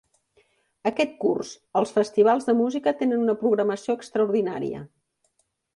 Aquest curs els festivals de Música tenen una programació extraordinària.